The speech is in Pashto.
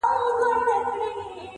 لوړ انسان د نورو ارزښت پېژني؛